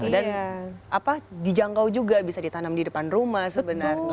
dan apa dijangkau juga bisa ditanam di depan rumah sebenarnya